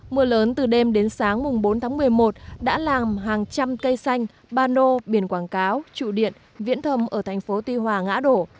mưa lớn từ đêm đến sáng bốn tháng một mươi một đã làm hàng trăm cây xanh ba lô biển quảng cáo trụ điện viễn thâm ở thành phố tuy hòa ngã đổ